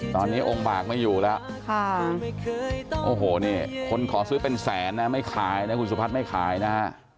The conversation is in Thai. ตอนนี้องค์บากไม่อยู่แล้วโอ้โหนี่คนขอซื้อเป็นแสนนะไม่ขายนะคุณสุพัฒน์ไม่ขายนะฮะ